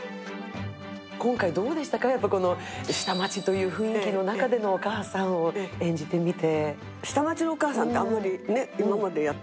今回どうでしたか、下町という雰囲気の中でのお母さんを演じてみて。